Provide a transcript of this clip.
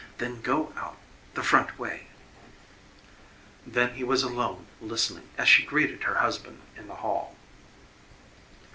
Then go out the front way." Then he was alone listening as she greeted her husband in the hall.